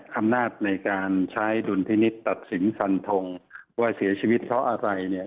อำนาจในการใช้ดุลพินิษฐ์ตัดสินฟันทงว่าเสียชีวิตเพราะอะไรเนี่ย